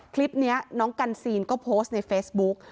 คลิปนี้น้องกันซีนก็โพสต์ในเฟซบุ๊ก